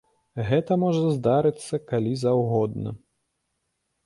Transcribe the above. Гэта можа здарыцца калі заўгодна.